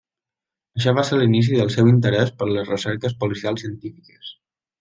Això va ser l'inici del seu interès per a les recerques policials científiques.